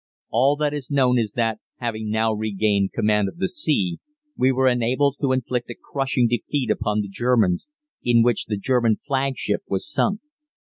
All that is known is that, having now regained command of the sea, we were enabled to inflict a crushing defeat upon the Germans, in which the German flagship was sunk.